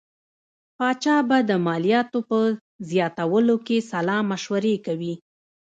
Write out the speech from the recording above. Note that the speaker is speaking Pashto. پاچا به د مالیاتو په زیاتولو کې سلا مشورې کوي.